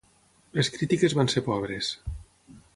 Les crítiques van ser pobres.